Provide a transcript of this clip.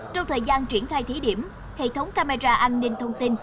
trong thời gian triển khai thí điểm hệ thống camera an ninh thông tin